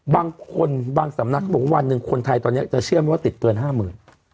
บางคนบางสำนักเขาบอกว่าวันหนึ่งคนไทยตอนนี้จะเชื่อไหมว่าติดเกินห้าหมื่น